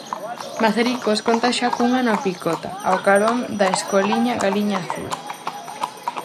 Mazaricos conta xa cunha na Picota, ao carón da escoliña Galiña Azul.